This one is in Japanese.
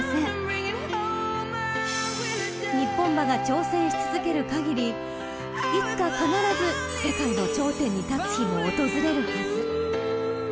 ［日本馬が挑戦し続けるかぎりいつか必ず世界の頂点に立つ日も訪れるはず］